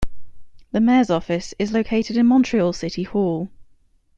The mayor's office is located in Montreal City Hall.